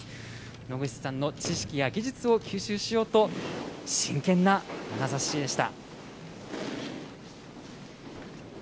農口さんの知識や技術を吸収しようと、真剣なまなざしでした。